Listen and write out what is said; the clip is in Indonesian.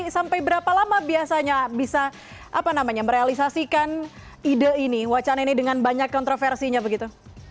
sampai berapa lama biasanya bisa merealisasikan ide ini wacana ini dengan banyak kontroversinya begitu